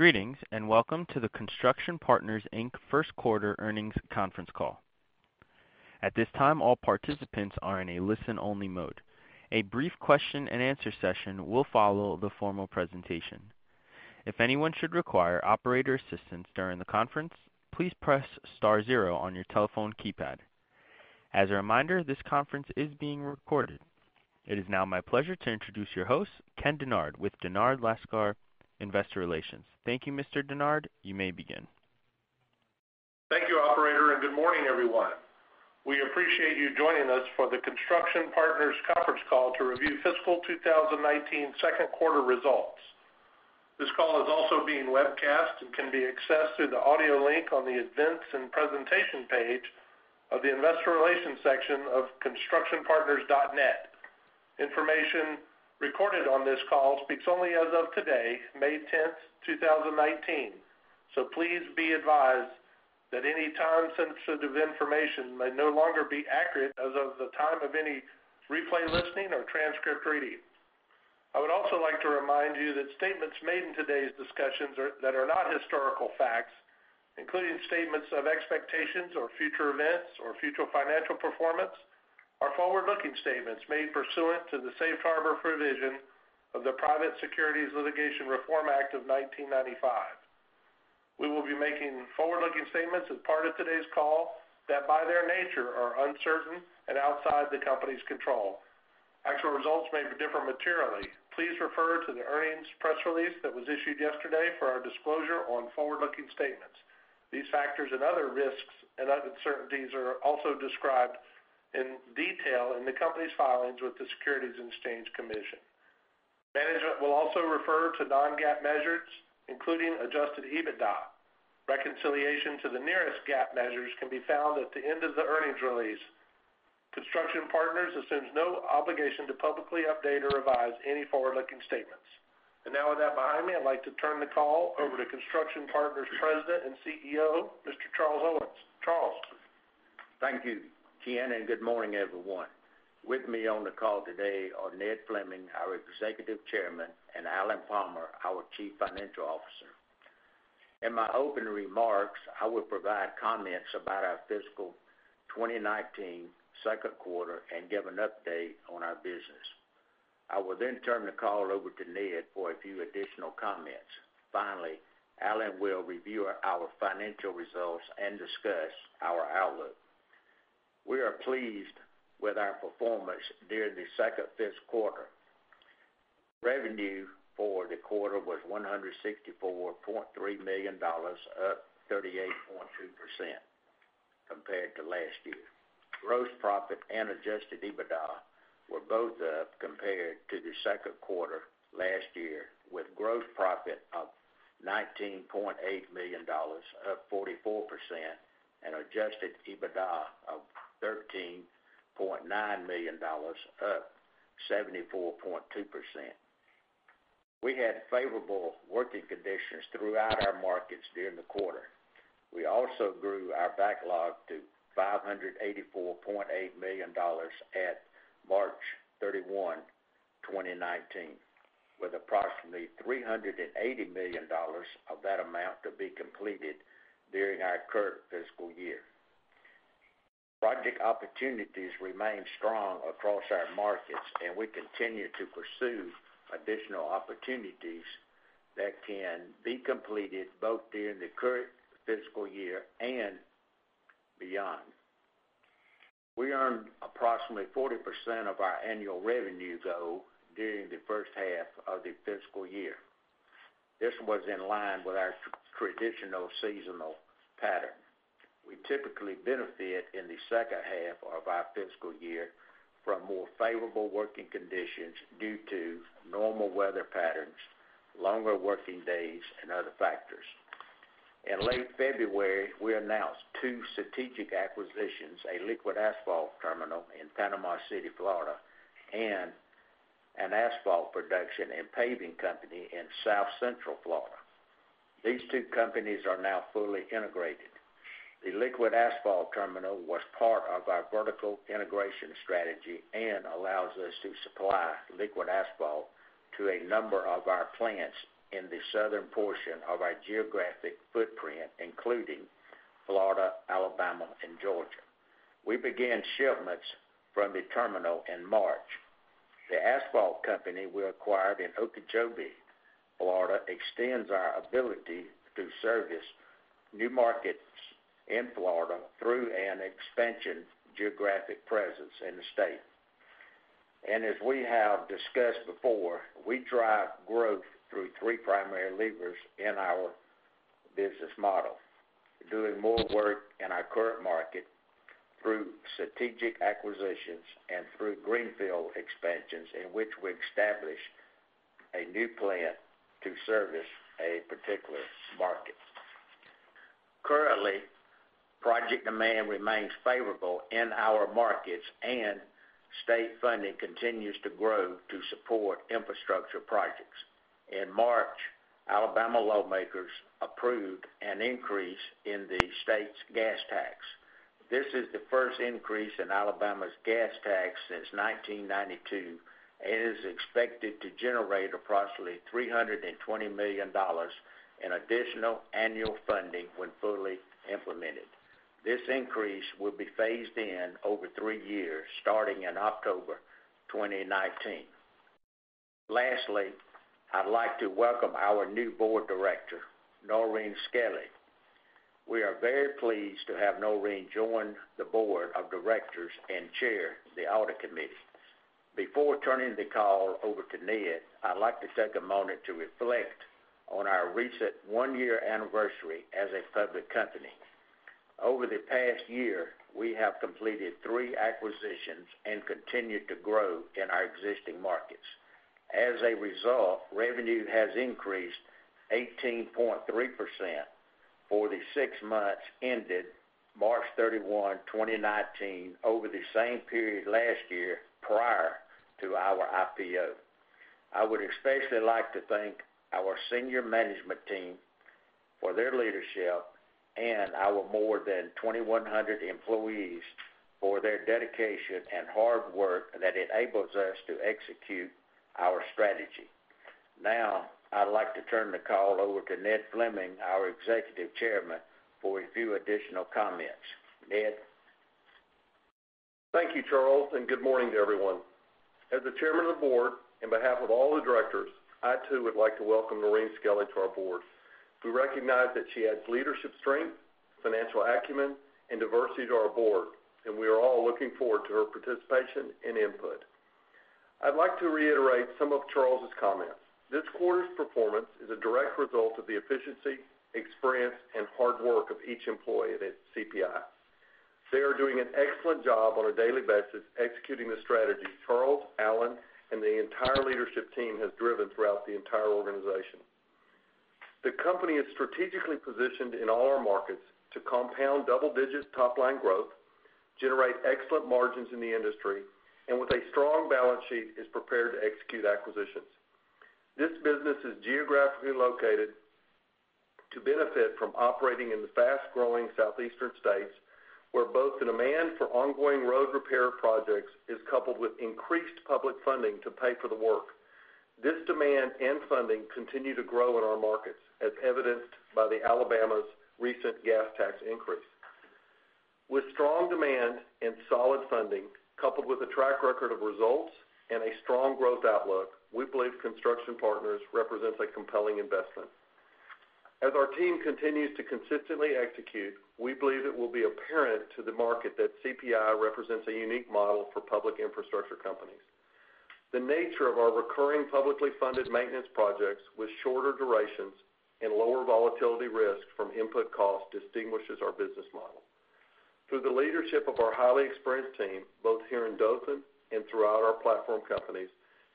Greetings, and welcome to the Construction Partners, Inc. first quarter earnings conference call. At this time, all participants are in a listen-only mode. A brief question-and-answer session will follow the formal presentation. If anyone should require operator assistance during the conference, please press star zero on your telephone keypad. As a reminder, this conference is being recorded. It is now my pleasure to introduce your host, Ken Dennard, with Dennard Lascar Investor Relations. Thank you, Mr. Dennard. You may begin. Thank you, operator, and good morning, everyone. We appreciate you joining us for the Construction Partners conference call to review fiscal 2019 second quarter results. This call is also being webcast and can be accessed through the audio link on the Events and Presentation page of the Investor Relations section of constructionpartners.net. Information recorded on this call speaks only as of today, May 10th, 2019. Please be advised that any time-sensitive information may no longer be accurate as of the time of any replay listening or transcript reading. I would also like to remind you that statements made in today's discussions that are not historical facts, including statements of expectations or future events or future financial performance, are forward-looking statements made pursuant to the safe harbor provision of the Private Securities Litigation Reform Act of 1995. We will be making forward-looking statements as part of today's call that, by their nature, are uncertain and outside the company's control. Actual results may differ materially. Please refer to the earnings press release that was issued yesterday for our disclosure on forward-looking statements. These factors and other risks and uncertainties are also described in detail in the company's filings with the Securities and Exchange Commission. Management will also refer to non-GAAP measures, including adjusted EBITDA. Reconciliation to the nearest GAAP measures can be found at the end of the earnings release. Construction Partners assumes no obligation to publicly update or revise any forward-looking statements. Now with that behind me, I'd like to turn the call over to Construction Partners President and CEO, Mr. Charles Owens. Charles. Thank you, Ken, and good morning, everyone. With me on the call today are Ned Fleming, our Executive Chairman, and Alan Palmer, our Chief Financial Officer. In my opening remarks, I will provide comments about our fiscal 2019 second quarter and give an update on our business. I will turn the call over to Ned for a few additional comments. Finally, Alan will review our financial results and discuss our outlook. We are pleased with our performance during the second fiscal quarter. Revenue for the quarter was $164.3 million, up 38.2% compared to last year. Gross profit and adjusted EBITDA were both up compared to the second quarter last year, with gross profit of $19.8 million, up 44%, and adjusted EBITDA of $13.9 million, up 74.2%. We had favorable working conditions throughout our markets during the quarter. We also grew our backlog to $584.8 million at March 31, 2019, with approximately $380 million of that amount to be completed during our current fiscal year. Project opportunities remain strong across our markets, and we continue to pursue additional opportunities that can be completed both during the current fiscal year and beyond. We earned approximately 40% of our annual revenue during the first half of the fiscal year. This was in line with our traditional seasonal pattern. We typically benefit in the second half of our fiscal year from more favorable working conditions due to normal weather patterns, longer working days, and other factors. In late February, we announced two strategic acquisitions, a liquid asphalt terminal in Panama City, Florida, and an asphalt production and paving company in South Central Florida. These two companies are now fully integrated. The liquid asphalt terminal was part of our vertical integration strategy and allows us to supply liquid asphalt to a number of our plants in the southern portion of our geographic footprint, including Florida, Alabama, and Georgia. We began shipments from the terminal in March. The asphalt company we acquired in Okeechobee, Florida, extends our ability to service new markets in Florida through an expansion geographic presence in the state. As we have discussed before, we drive growth through three primary levers in our business model. Doing more work in our current market through strategic acquisitions and through greenfield expansions, in which we establish a new plant to service a particular market. Currently, project demand remains favorable in our markets, and state funding continues to grow to support infrastructure projects. In March, Alabama lawmakers approved an increase in the state's gas tax. This is the first increase in Alabama's gas tax since 1992, and is expected to generate approximately $320 million in additional annual funding when fully implemented. This increase will be phased in over three years, starting in October 2019. Lastly, I'd like to welcome our new board director, Noreen Skelly. We are very pleased to have Noreen join the board of directors and chair the audit committee. Before turning the call over to Ned, I'd like to take a moment to reflect on our recent one-year anniversary as a public company. Over the past year, we have completed three acquisitions and continued to grow in our existing markets. As a result, revenue has increased 18.3% for the six months ended March 31, 2019, over the same period last year, prior to our IPO. I would especially like to thank our senior management team for their leadership, and our more than 2,100 employees for their dedication and hard work that enables us to execute our strategy. I'd like to turn the call over to Ned Fleming, our Executive Chairman, for a few additional comments. Ned? Thank you, Charles, and good morning to everyone. As the chairman of the board, on behalf of all the directors, I too would like to welcome Noreen Skelly to our board. We recognize that she adds leadership strength, financial acumen, and diversity to our board, and we are all looking forward to her participation and input. I'd like to reiterate some of Charles' comments. This quarter's performance is a direct result of the efficiency, experience, and hard work of each employee at CPI. They are doing an excellent job on a daily basis executing the strategy Charles, Alan, and the entire leadership team has driven throughout the entire organization. The company is strategically positioned in all our markets to compound double digits top line growth, generate excellent margins in the industry, and with a strong balance sheet, is prepared to execute acquisitions. This business is geographically located to benefit from operating in the fast-growing Southeastern states, where both the demand for ongoing road repair projects is coupled with increased public funding to pay for the work. This demand and funding continue to grow in our markets, as evidenced by Alabama's recent gas tax increase. With strong demand and solid funding, coupled with a track record of results and a strong growth outlook, we believe Construction Partners represents a compelling investment. As our team continues to consistently execute, we believe it will be apparent to the market that CPI represents a unique model for public infrastructure companies. The nature of our recurring publicly funded maintenance projects with shorter durations and lower volatility risk from input costs distinguishes our business model. Through the leadership of our highly experienced team, both here in Dothan and throughout our platform companies,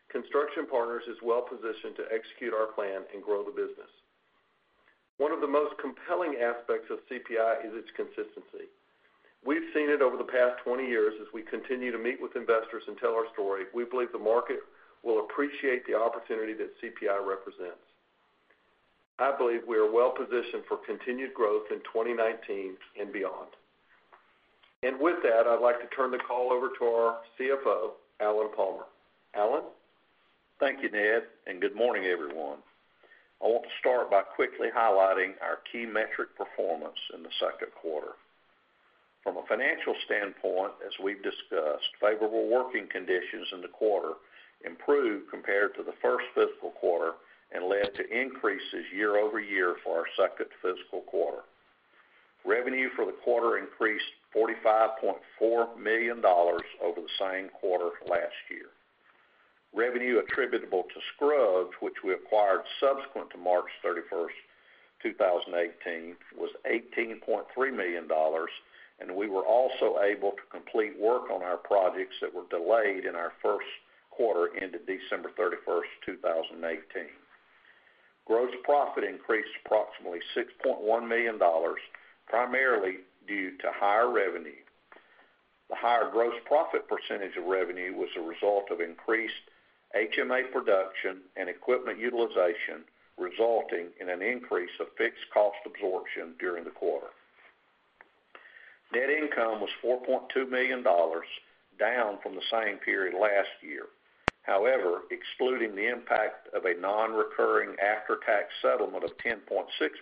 Construction Partners is well positioned to execute our plan and grow the business. One of the most compelling aspects of CPI is its consistency. We've seen it over the past 20 years as we continue to meet with investors and tell our story. We believe the market will appreciate the opportunity that CPI represents. I believe we are well positioned for continued growth in 2019 and beyond. With that, I'd like to turn the call over to our CFO, Alan Palmer. Alan? Thank you, Ned, and good morning, everyone. I want to start by quickly highlighting our key metric performance in the second quarter. From a financial standpoint, as we've discussed, favorable working conditions in the quarter improved compared to the first fiscal quarter and led to increases year-over-year for our second fiscal quarter. Revenue for the quarter increased $45.4 million over the same quarter last year. Revenue attributable to Scruggs, which we acquired subsequent to March 31st, 2018, was $18.3 million, and we were also able to complete work on our projects that were delayed in our first quarter into December 31st, 2018. Gross profit increased approximately $6.1 million, primarily due to higher revenue. The higher gross profit percentage of revenue was a result of increased HMA production and equipment utilization, resulting in an increase of fixed cost absorption during the quarter. Net income was $4.2 million, down from the same period last year. However, excluding the impact of a non-recurring after-tax settlement of $10.6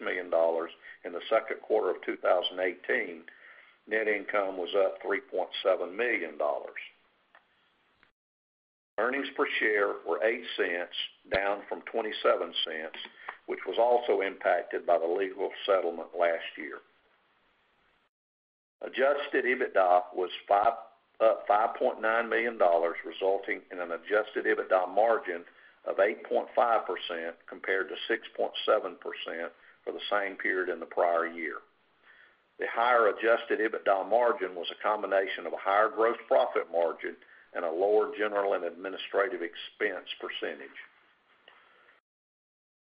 million in the second quarter of 2018, net income was up $3.7 million. Earnings per share were $0.08, down from $0.27, which was also impacted by the legal settlement last year. Adjusted EBITDA was up $5.9 million, resulting in an adjusted EBITDA margin of 8.5% compared to 6.7% for the same period in the prior year. The higher adjusted EBITDA margin was a combination of a higher gross profit margin and a lower general and administrative expense percentage.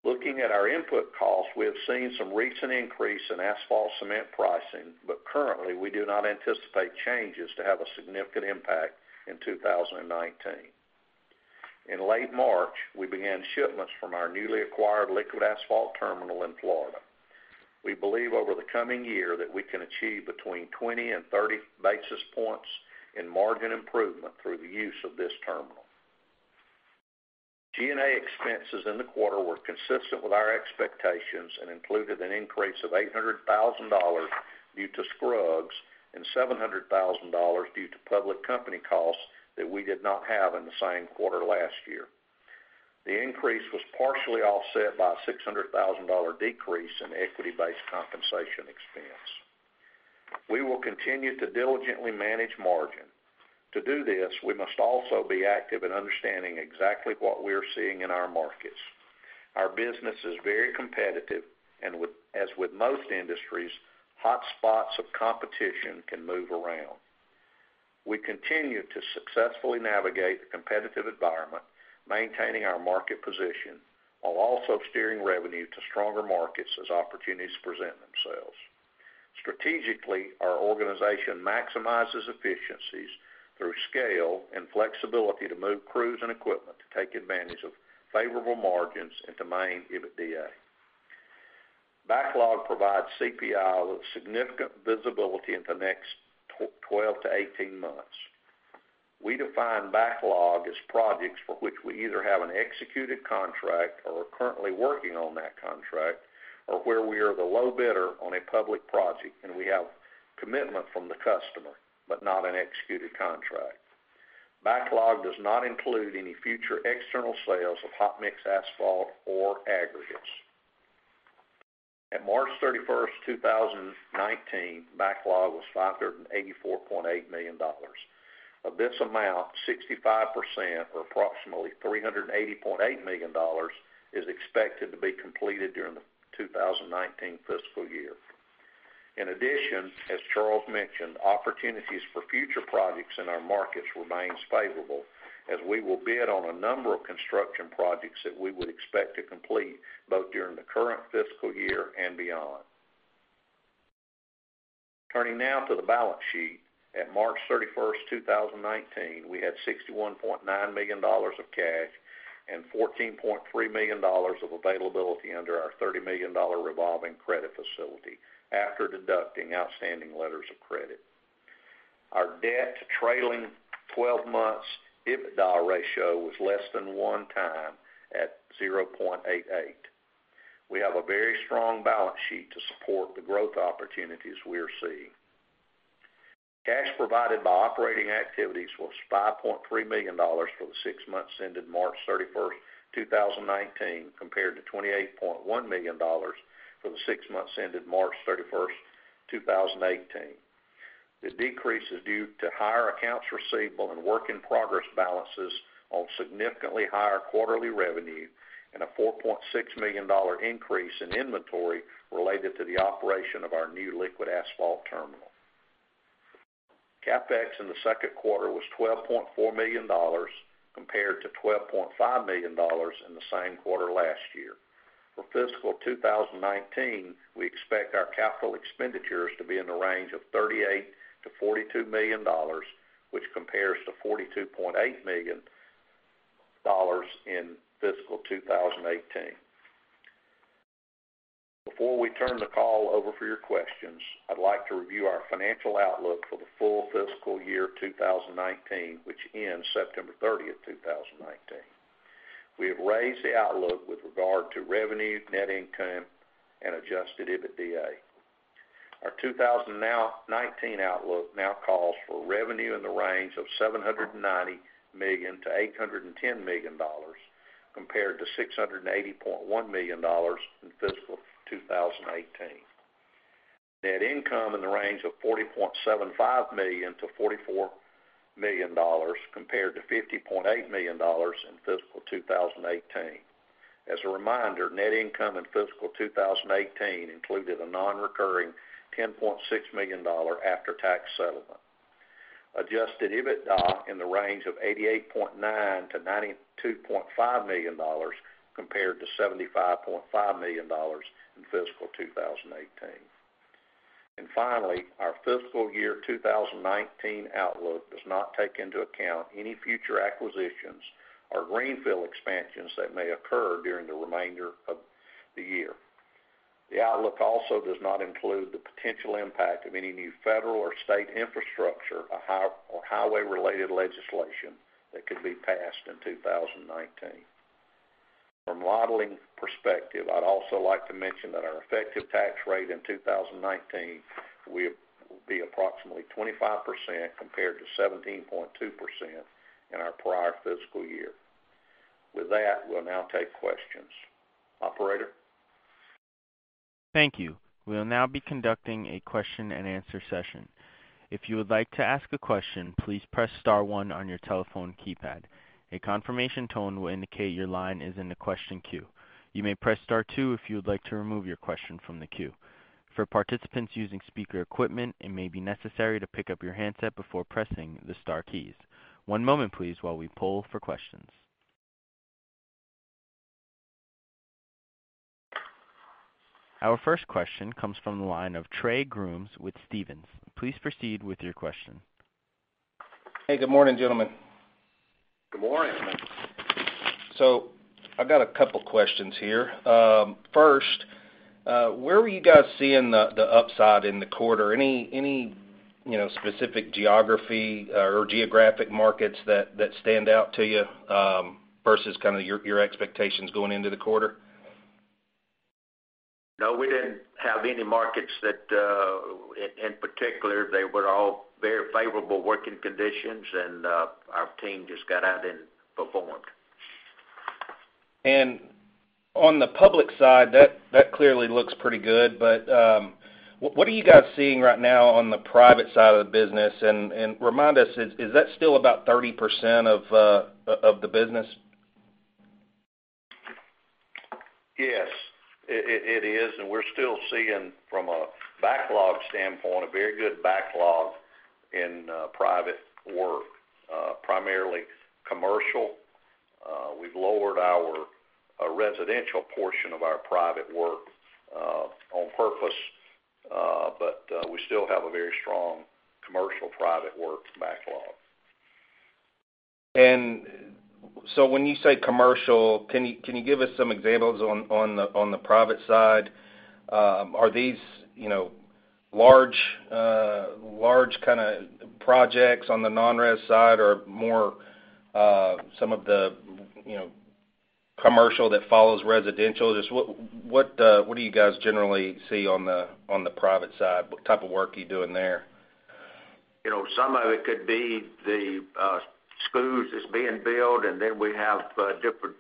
Looking at our input cost, we have seen some recent increase in asphalt cement pricing, but currently, we do not anticipate changes to have a significant impact in 2019. In late March, we began shipments from our newly acquired liquid asphalt terminal in Florida. We believe over the coming year that we can achieve between 20 and 30 basis points in margin improvement through the use of this terminal. G&A expenses in the quarter were consistent with our expectations and included an increase of $800,000 due to Scruggs and $700,000 due to public company costs that we did not have in the same quarter last year. The increase was partially offset by a $600,000 decrease in equity-based compensation expense. We will continue to diligently manage margin. To do this, we must also be active in understanding exactly what we're seeing in our markets. Our business is very competitive, and as with most industries, hot spots of competition can move around. We continue to successfully navigate the competitive environment, maintaining our market position while also steering revenue to stronger markets as opportunities present themselves. Strategically, our organization maximizes efficiencies through scale and flexibility to move crews and equipment to take advantage of favorable margins and to maintain EBITDA. Backlog provides CPI with significant visibility into the next 12 to 18 months. We define backlog as projects for which we either have an executed contract or are currently working on that contract, or where we are the low bidder on a public project and we have commitment from the customer, but not an executed contract. Backlog does not include any future external sales of hot mix asphalt or aggregates. At March 31st, 2019, backlog was $584.8 million. Of this amount, 65%, or approximately $380.8 million, is expected to be completed during the 2019 fiscal year. In addition, as Charles mentioned, opportunities for future projects in our markets remains favorable as we will bid on a number of construction projects that we would expect to complete, both during the current fiscal year and beyond. Turning now to the balance sheet. At March 31st, 2019, we had $61.9 million of cash and $14.3 million of availability under our $30 million revolving credit facility after deducting outstanding letters of credit. Our debt to trailing 12 months EBITDA ratio was less than one time at 0.88. We have a very strong balance sheet to support the growth opportunities we are seeing. Cash provided by operating activities was $5.3 million for the six months ended March 31st, 2019, compared to $28.1 million for the six months ended March 31st, 2018. The decrease is due to higher accounts receivable and work in progress balances on significantly higher quarterly revenue and a $4.6 million increase in inventory related to the operation of our new liquid asphalt terminal. CapEx in the second quarter was $12.4 million compared to $12.5 million in the same quarter last year. For fiscal 2019, we expect our capital expenditures to be in the range of $38 million-$42 million, which compares to $42.8 million in fiscal 2018. Before we turn the call over for your questions, I'd like to review our financial outlook for the full fiscal year 2019, which ends September 30th, 2019. We have raised the outlook with regard to revenue, net income and adjusted EBITDA. Our 2019 outlook now calls for revenue in the range of $790 million-$810 million, compared to $680.1 million in fiscal 2018. Net income in the range of $40.75 million-$44 million, compared to $50.8 million in fiscal 2018. As a reminder, net income in fiscal 2018 included a non-recurring $10.6 million after-tax settlement. Adjusted EBITDA in the range of $88.9 million-$92.5 million compared to $75.5 million in fiscal 2018. Finally, our fiscal year 2019 outlook does not take into account any future acquisitions or greenfield expansions that may occur during the remainder of the year. The outlook also does not include the potential impact of any new federal or state infrastructure or highway-related legislation that could be passed in 2019. From modeling perspective, I'd also like to mention that our effective tax rate in 2019 will be approximately 25% compared to 17.2% in our prior fiscal year. With that, we'll now take questions. Operator? Thank you. We'll now be conducting a question and answer session. If you would like to ask a question, please press star one on your telephone keypad. A confirmation tone will indicate your line is in the question queue. You may press star two if you would like to remove your question from the queue. For participants using speaker equipment, it may be necessary to pick up your handset before pressing the star keys. One moment, please, while we poll for questions. Our first question comes from the line of Trey Grooms with Stephens. Please proceed with your question. Hey, good morning, gentlemen. Good morning. I've got a couple questions here. First, where were you guys seeing the upside in the quarter? Any specific geography or geographic markets that stand out to you, versus kind of your expectations going into the quarter? No, we didn't have any markets that, in particular. They were all very favorable working conditions, and our team just got out and performed. On the public side, that clearly looks pretty good. What are you guys seeing right now on the private side of the business? Remind us, is that still about 30% of the business? Yes, it is. We're still seeing from a backlog standpoint, a very good backlog in private work, primarily commercial. We've lowered our residential portion of our private work on purpose, but we still have a very strong commercial private work backlog. When you say commercial, can you give us some examples on the private side? Are these large kind of projects on the non-res side or more some of the commercial that follows residential? Just what do you guys generally see on the private side? What type of work are you doing there? Some of it could be the schools that's being built, and then we have different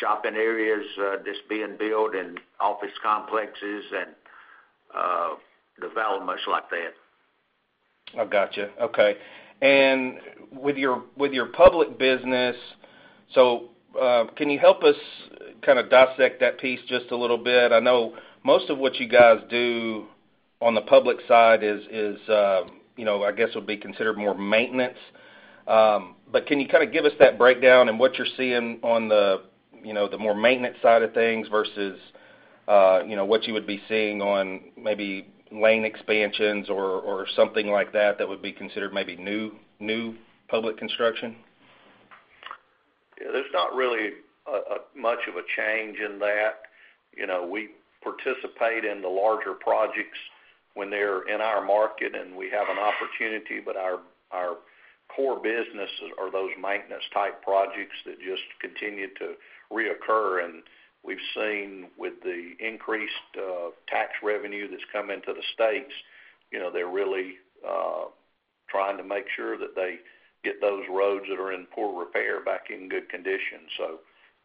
shopping areas that's being built and office complexes and developments like that. I've got you. Okay. With your public business, so can you help us kind of dissect that piece just a little bit? I know most of what you guys do on the public side is, I guess would be considered more maintenance. Can you kind of give us that breakdown and what you're seeing on the more maintenance side of things versus what you would be seeing on maybe lane expansions or something like that would be considered maybe new public construction? There's not really much of a change in that. We participate in the larger projects when they're in our market, and we have an opportunity, but our core businesses are those maintenance type projects that just continue to reoccur. We've seen with the increased tax revenue that's come into the states, they're really trying to make sure that they get those roads that are in poor repair back in good condition.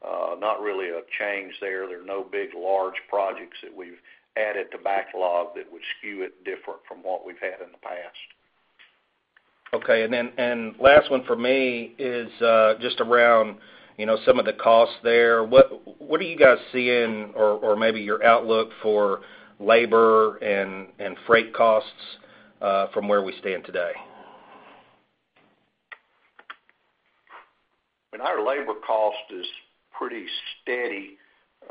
Not really a change there. There are no big, large projects that we've added to backlog that would skew it different from what we've had in the past. Okay. Last one from me is just around some of the costs there. What are you guys seeing or maybe your outlook for labor and freight costs from where we stand today? Our labor cost is pretty steady.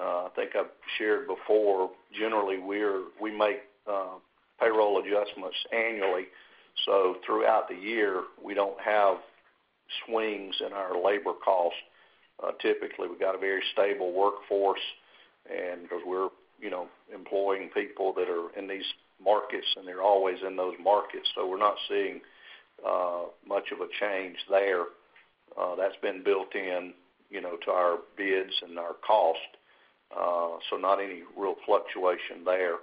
I think I've shared before, generally we make payroll adjustments annually. Throughout the year, we don't have swings in our labor cost. Typically, we've got a very stable workforce and because we're employing people that are in these markets, and they're always in those markets, so we're not seeing much of a change there. That's been built in to our bids and our cost. Not any real fluctuation there.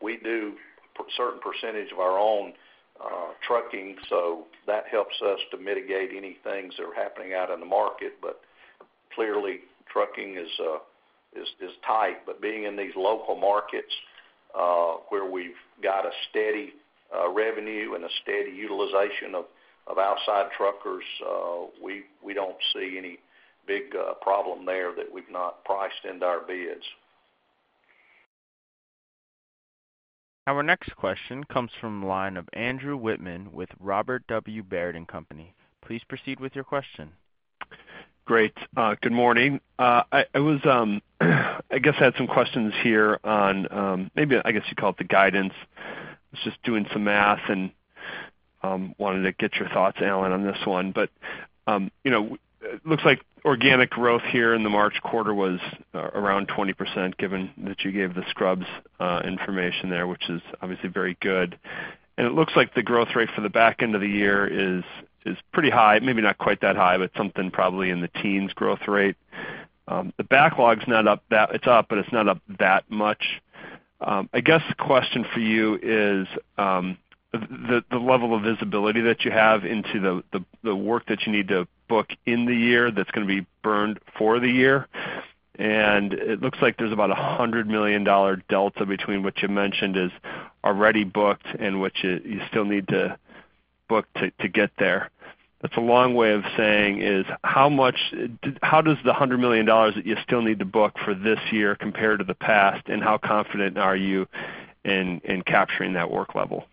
We do a certain percentage of our own trucking, so that helps us to mitigate any things that are happening out in the market. Clearly trucking is tight. Being in these local markets, where we've got a steady revenue and a steady utilization of outside truckers, we don't see any big problem there that we've not priced into our bids. Our next question comes from the line of Andrew Wittmann with Robert W. Baird & Co.. Please proceed with your question. Great. Good morning. I guess I had some questions here on maybe, I guess you'd call it the guidance. I was just doing some math and wanted to get your thoughts, Alan, on this one. It looks like organic growth here in the March quarter was around 20%, given that you gave The Scruggs information there, which is obviously very good. It looks like the growth rate for the back end of the year is pretty high, maybe not quite that high, but something probably in the teens growth rate. It's up, but it's not up that much. I guess the question for you is the level of visibility that you have into the work that you need to book in the year that's going to be burned for the year. It looks like there's about $100 million delta between what you mentioned is already booked and what you still need to book to get there. That's a long way of saying is how does the $100 million that you still need to book for this year compare to the past, and how confident are you in capturing that work level?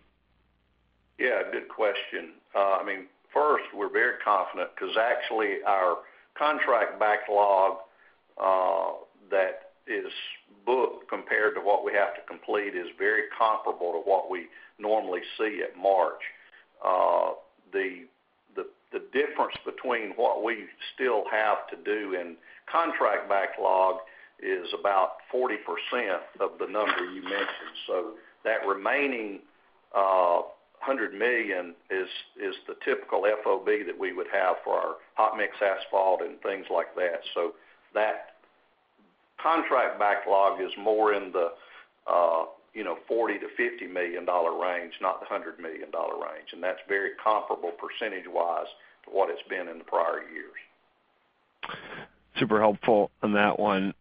We're very confident because actually our contract backlog that is booked compared to what we have to complete is very comparable to what we normally see at March. The difference between what we still have to do in contract backlog is about 40% of the number you mentioned. That remaining $100 million is the typical FOB that we would have for our hot mix asphalt and things like that. That contract backlog is more in the $40 million to $50 million range, not the $100 million range. That's very comparable percentage wise to what it's been in the prior years. Super helpful on that one.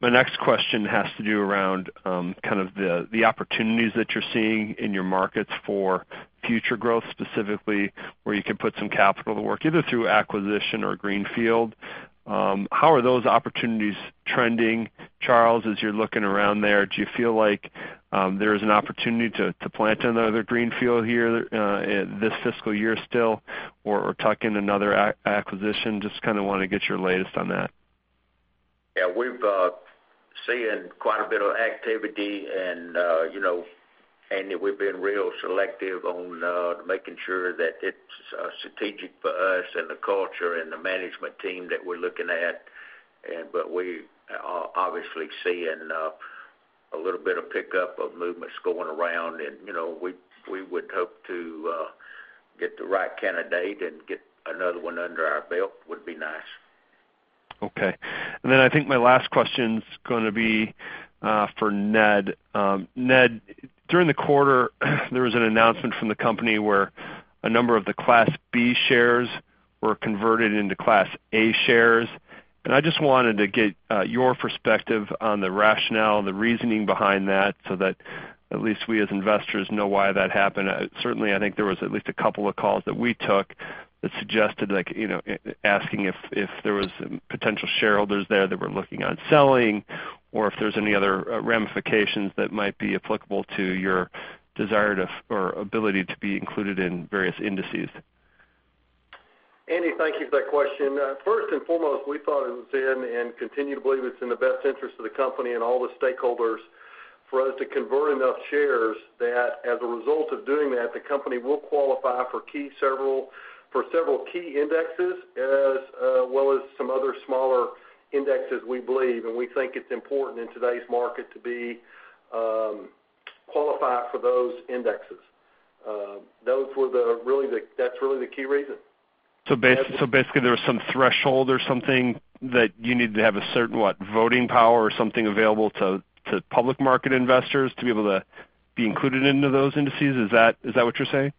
My next question has to do around kind of the opportunities that you're seeing in your markets for future growth, specifically where you could put some capital to work, either through acquisition or greenfield. How are those opportunities trending, Charles, as you're looking around there? Do you feel like there's an opportunity to plant another greenfield here this fiscal year still or tuck in another acquisition? Just kind of want to get your latest on that. We're seeing quite a bit of activity, and we've been real selective on making sure that it's strategic for us and the culture and the management team that we're looking at. We're obviously seeing a little bit of pickup of movements going around, and we would hope to get the right candidate and get another one under our belt. Would be nice. I think my last question's going to be for Ned. Ned, during the quarter, there was an announcement from the company where a number of the Class B shares were converted into Class A shares. I just wanted to get your perspective on the rationale, the reasoning behind that so that at least we as investors know why that happened. Certainly, I think there was at least a couple of calls that we took that suggested asking if there was potential shareholders there that were looking on selling or if there's any other ramifications that might be applicable to your desire or ability to be included in various indices. Andy, thank you for that question. First and foremost, we thought it was in and continue to believe it's in the best interest of the company and all the stakeholders for us to convert enough shares that as a result of doing that, the company will qualify for several key indexes, as well as some other smaller indexes, we believe. We think it's important in today's market to qualify for those indexes. That's really the key reason. Basically, there was some threshold or something that you need to have a certain, what? Voting power or something available to public market investors to be able to be included into those indices? Is that what you're saying?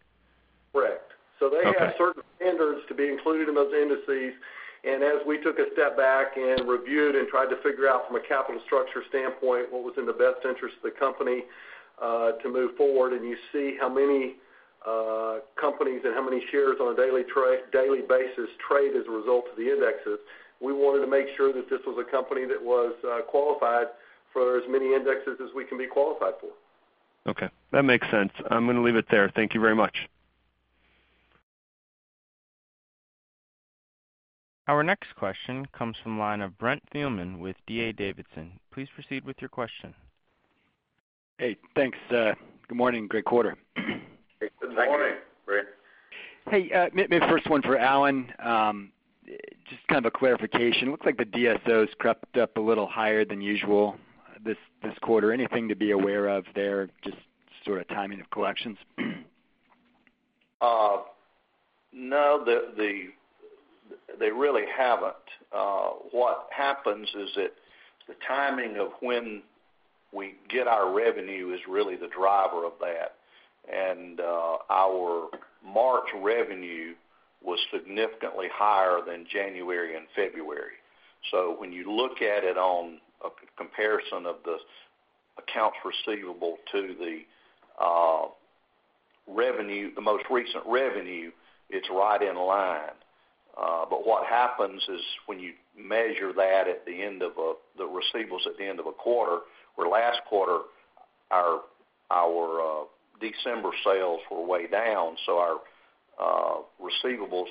Correct. Okay. They have certain standards to be included in those indices. As we took a step back and reviewed and tried to figure out from a capital structure standpoint what was in the best interest of the company to move forward, you see how many companies and how many shares on a daily basis trade as a result of the indexes. We wanted to make sure that this was a company that was qualified for as many indexes as we can be qualified for. Okay. That makes sense. I'm going to leave it there. Thank you very much. Our next question comes from the line of Brent Thielman with D.A. Davidson. Please proceed with your question. Hey, thanks. Good morning. Great quarter. Good morning, Brent. Hey, maybe first one for Alan. Just kind of a clarification. Looks like the DSOs crept up a little higher than usual this quarter. Anything to be aware of there, just sort of timing of collections? No, they really haven't. What happens is that the timing of when we get our revenue is really the driver of that. Our March revenue was significantly higher than January and February. When you look at it on a comparison of the accounts receivable to the most recent revenue, it's right in line. What happens is when you measure that at the end of the receivables at the end of a quarter, where last quarter our December sales were way down, so our receivables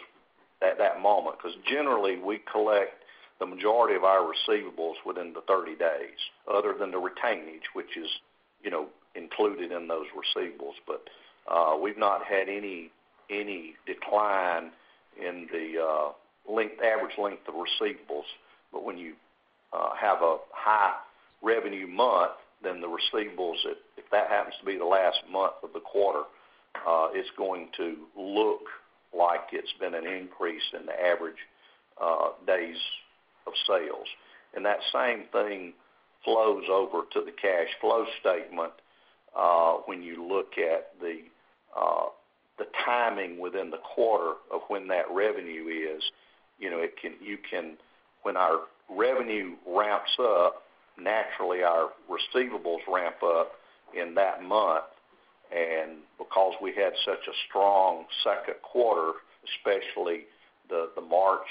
at that moment. Generally we collect the majority of our receivables within the 30 days, other than the retainage, which is included in those receivables. We've not had any decline in the average length of receivables. When you have a high revenue month, the receivables, if that happens to be the last month of the quarter, it's going to look like it's been an increase in the average days of sales. That same thing flows over to the cash flow statement when you look at the timing within the quarter of when that revenue is. When our revenue ramps up, naturally our receivables ramp up in that month. Because we had such a strong second quarter, especially the March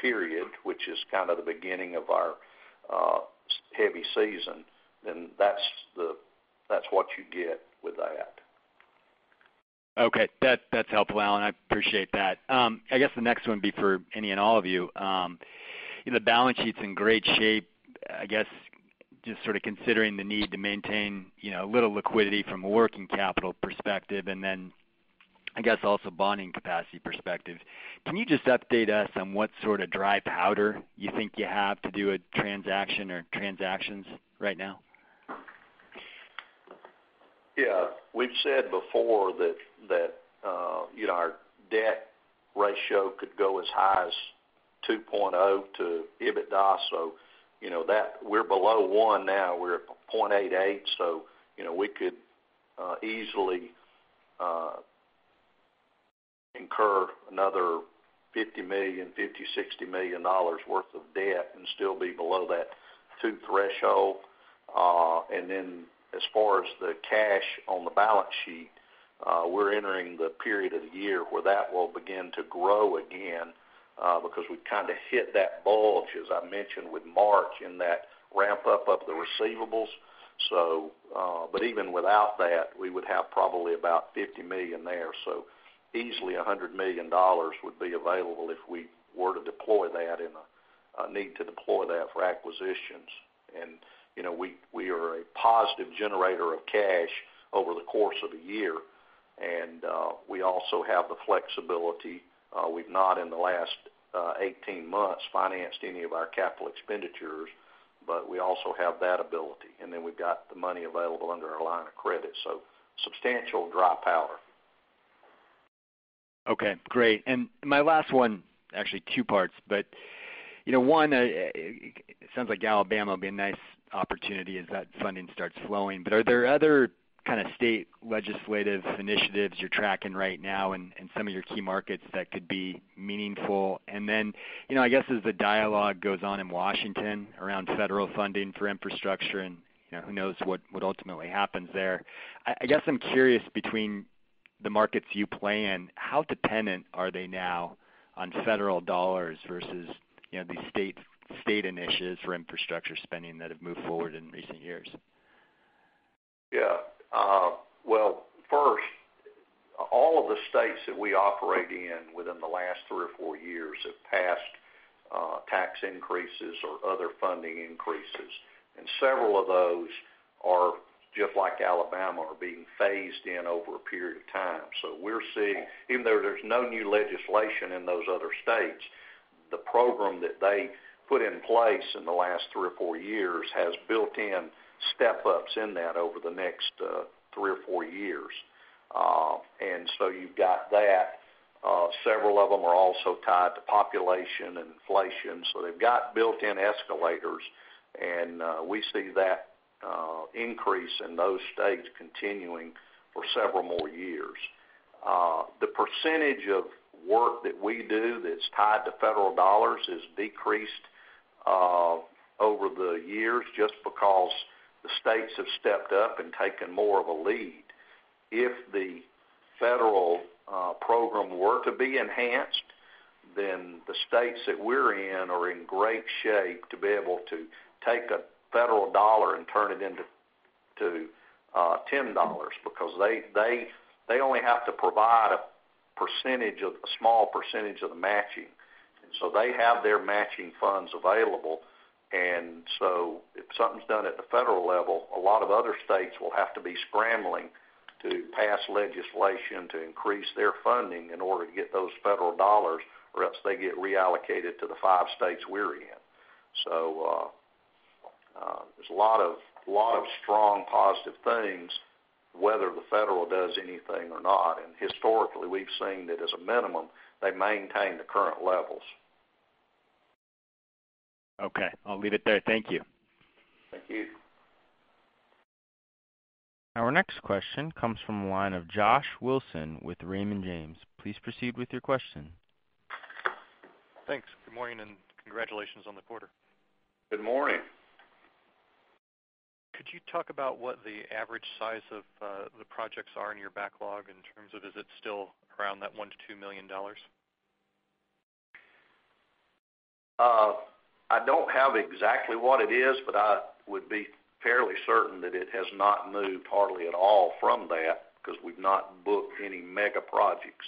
period, which is kind of the beginning of our heavy season, That's what you get with that. Okay. That's helpful, Alan, I appreciate that. I guess the next one would be for any and all of you. The balance sheet's in great shape. I guess, just considering the need to maintain a little liquidity from a working capital perspective, and then, I guess, also bonding capacity perspective. Can you just update us on what sort of dry powder you think you have to do a transaction or transactions right now? Yeah. We've said before that our debt ratio could go as high as 2.0 to EBITDA, so we're below one now. We're at 0.88, so we could easily incur another $50 million, $50, $60 million worth of debt and still be below that two threshold. As far as the cash on the balance sheet, we're entering the period of the year where that will begin to grow again, because we've kind of hit that bulge, as I mentioned with March, in that ramp-up of the receivables. Even without that, we would have probably about $50 million there. Easily $100 million would be available if we were to deploy that and need to deploy that for acquisitions. We are a positive generator of cash over the course of a year. We also have the flexibility, we've not in the last 18 months financed any of our capital expenditures, but we also have that ability. We've got the money available under our line of credit, substantial dry powder. Okay, great. My last one, actually two parts, one, it sounds like Alabama will be a nice opportunity as that funding starts flowing. Are there other kind of state legislative initiatives you're tracking right now in some of your key markets that could be meaningful? Then, I guess as the dialogue goes on in Washington around federal funding for infrastructure, and who knows what ultimately happens there. I guess I'm curious between the markets you play in, how dependent are they now on federal dollars versus these state initiatives for infrastructure spending that have moved forward in recent years? Well, first, all of the states that we operate in within the last three or four years have passed tax increases or other funding increases. Several of those are just like Alabama, are being phased in over a period of time. We're seeing, even though there's no new legislation in those other states, the program that they put in place in the last three or four years has built-in step-ups in that over the next three or four years. You've got that. Several of them are also tied to population and inflation, so they've got built-in escalators, and we see that increase in those states continuing for several more years. The percentage of work that we do that's tied to federal dollars has decreased over the years just because the states have stepped up and taken more of a lead. If the federal program were to be enhanced, the states that we're in are in great shape to be able to take a federal dollar and turn it into $10 because they only have to provide a small percentage of the matching. They have their matching funds available. If something's done at the federal level, a lot of other states will have to be scrambling to pass legislation to increase their funding in order to get those federal dollars, or else they get reallocated to the five states we're in. There's a lot of strong positive things whether the federal does anything or not. Historically, we've seen that as a minimum, they maintain the current levels. I'll leave it there. Thank you. Thank you. Our next question comes from the line of Josh Wilson with Raymond James. Please proceed with your question. Thanks. Good morning, congratulations on the quarter. Good morning. Could you talk about what the average size of the projects are in your backlog in terms of, is it still around that $1 million-$2 million? I don't have exactly what it is, but I would be fairly certain that it has not moved hardly at all from that because we've not booked any mega projects.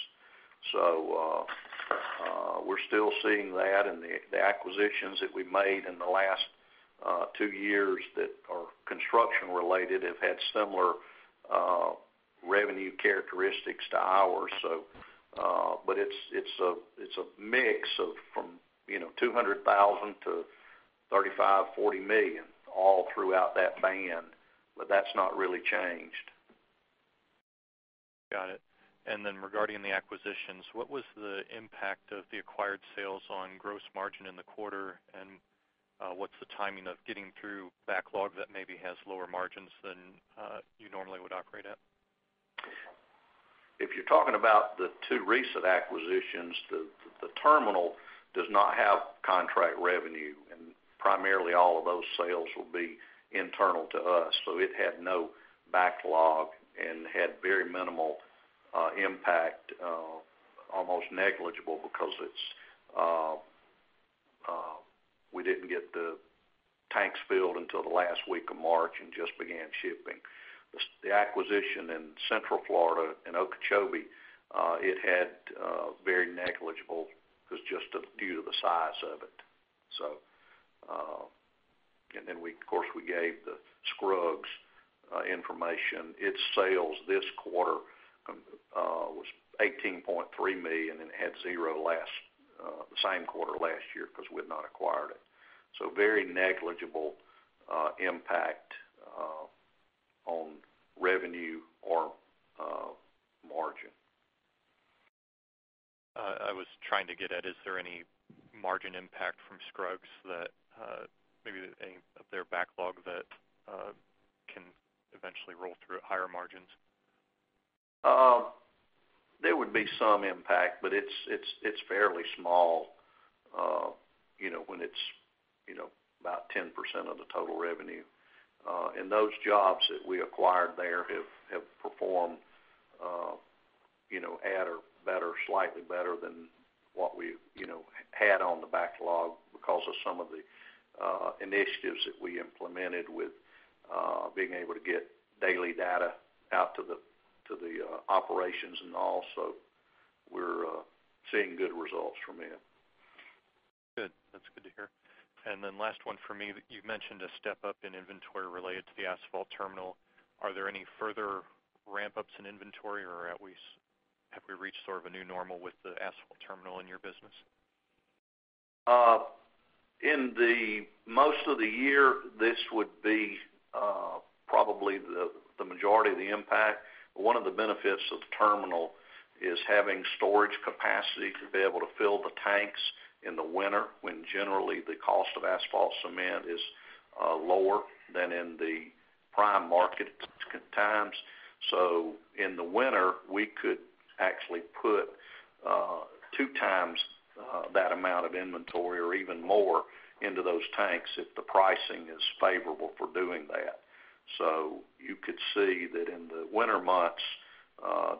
We're still seeing that and the acquisitions that we made in the last two years that are construction related have had similar revenue characteristics to ours. It's a mix from $200,000 to $35 million, $40 million all throughout that band, but that's not really changed. Got it. Regarding the acquisitions, what was the impact of the acquired sales on gross margin in the quarter? What's the timing of getting through backlog that maybe has lower margins than you normally would operate at? If you're talking about the two recent acquisitions, the terminal does not have contract revenue, and primarily all of those sales will be internal to us. It had no backlog and had very minimal impact, almost negligible because we didn't get the tanks filled until the last week of March and just began shipping. The acquisition in Central Florida, in Okeechobee, it had very negligible because just due to the size of it. Of course, we gave the Scruggs information. Its sales this quarter was $18.3 million and had zero the same quarter last year because we had not acquired it. Very negligible impact on revenue or margin. I was trying to get at, is there any margin impact from Scruggs that maybe their backlog that can eventually roll through at higher margins? There would be some impact, but it's fairly small when it's about 10% of the total revenue. Those jobs that we acquired there have performed at or slightly better than what we've had on the backlog because of some of the initiatives that we implemented with being able to get daily data out to the operations and all. We're seeing good results from it. Good. That's good to hear. Last one from me. You've mentioned a step up in inventory related to the asphalt terminal. Are there any further ramp ups in inventory or have we reached sort of a new normal with the asphalt terminal in your business? In the most of the year, this would be probably the majority of the impact. One of the benefits of the terminal is having storage capacity to be able to fill the tanks in the winter, when generally the cost of asphalt cement is lower than in the prime market at times. In the winter, we could actually put two times that amount of inventory or even more into those tanks if the pricing is favorable for doing that. You could see that in the winter months,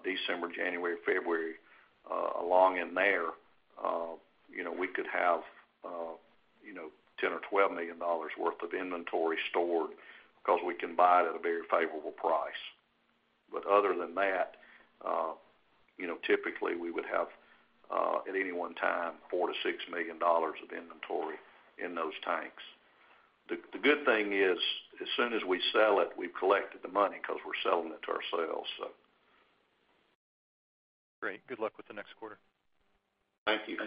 December, January, February, along in there, we could have $10 million or $12 million worth of inventory stored because we can buy it at a very favorable price. Other than that, typically we would have, at any one time, $4 million to $6 million of inventory in those tanks. The good thing is, as soon as we sell it, we've collected the money because we're selling it to ourselves. Great. Good luck with the next quarter. Thank you.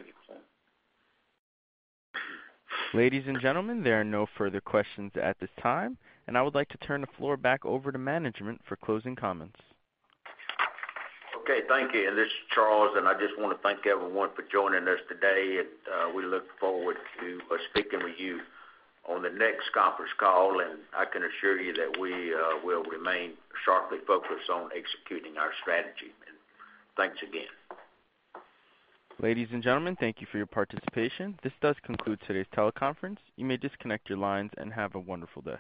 Ladies and gentlemen, there are no further questions at this time, and I would like to turn the floor back over to management for closing comments. Okay. Thank you. This is Charles, and I just want to thank everyone for joining us today. We look forward to speaking with you on the next conference call, and I can assure you that we will remain sharply focused on executing our strategy. Thanks again. Ladies and gentlemen, thank you for your participation. This does conclude today's teleconference. You may disconnect your lines and have a wonderful day.